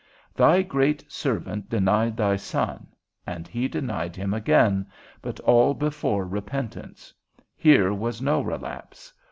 Thy great servant denied thy Son, and he denied him again, but all before repentance; here was no relapse.